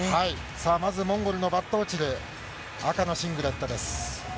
さあ、まずモンゴルのバットオチル、赤のシングレットです。